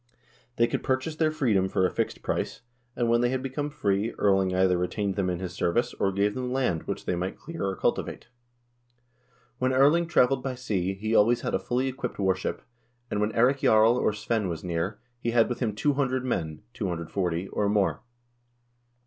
They could purchase their freedom for a fixed price, and when they had become free, Erling either retained them in his service, or gave them land which they might clear and culti 246 HISTORY OF THE NORWEGIAN PEOPLE vate. When Erling traveled by sea, he always had a fully equipped war ship, and when Eirik Jarl or Svein was near, he had with him two hundred men (240) or more.